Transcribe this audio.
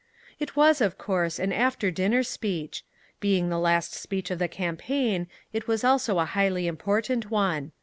It was, of course, an after dinner speech. Being the last speech of the campaign it was also a highly important one.